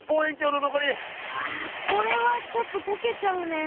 あこれはちょっと溶けちゃうね。